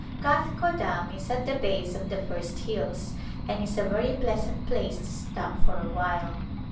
Kathgodam is at the base of the first hills and is a very pleasant place to stop for a while.